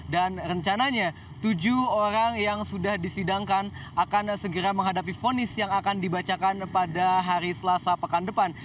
dan rencananya tujuh orang yang sudah disidangkan akan segera menghadapi fonis yang akan dibacakan pada hari selasa pekan depan